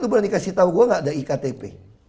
itu berani kasih tau gue gak ada iktp